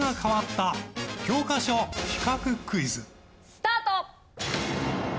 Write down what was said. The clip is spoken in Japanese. スタート！